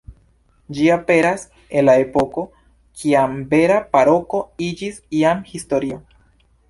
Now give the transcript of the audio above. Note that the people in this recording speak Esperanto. Ĝi aperas en le epoko, kiam vera baroko iĝis jam historio.